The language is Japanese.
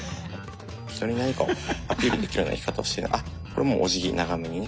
人に何かアピールできるような生き方をあっこれもうおじぎ長めにね。